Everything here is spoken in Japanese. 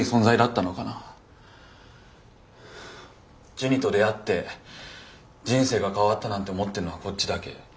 ジュニと出会って人生が変わったなんて思ってんのはこっちだけ。